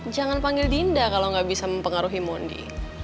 jangan panggil dinda kalo gak bisa mempengaruhi mondi